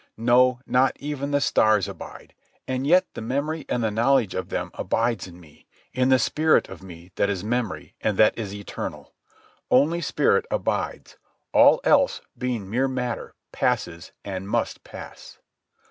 No; not even the stars abide, and yet the memory and the knowledge of them abides in me, in the spirit of me that is memory and that is eternal. Only spirit abides. All else, being mere matter, passes, and must pass.